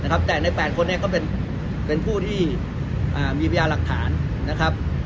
นะครับแต่ในแปดคนเนี้ยก็เป็นเป็นผู้ที่อ่ามีพยาหลักฐานนะครับ